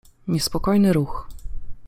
niespokojny ruch.